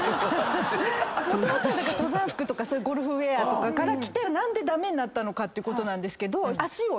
もともとは登山服とかゴルフウエアとかから来て何で駄目になったのかってことなんですけど。